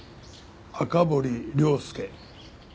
赤堀亮介。